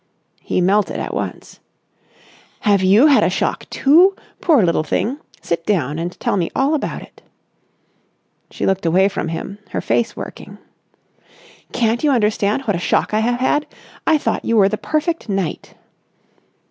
He melted at once. "Have you had a shock too? Poor little thing! Sit down and tell me all about it." She looked away from him, her face working. "Can't you understand what a shock I have had? I thought you were the perfect knight."